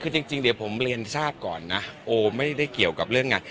คือจริงเดี๋ยวผมเรียนทราบก่อนนะโอไม่ได้เกี่ยวกับเรื่องงาน